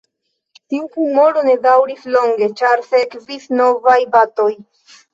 Tiu humoro ne daŭris longe, ĉar sekvis novaj batoj.